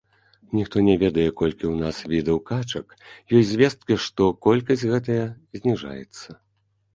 Ніхто не ведае, колькі ў нас відаў качак, ёсць звесткі, што колькасць гэтая зніжаецца.